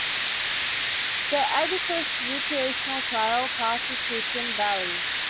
The Agassiz Recreational Trail passes through Twin Valley.